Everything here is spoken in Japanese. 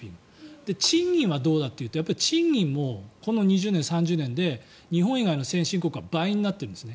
賃金はどうだというと賃金もこの２０年、３０年で日本以外の先進国は倍になっているんです。